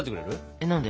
えっ何で？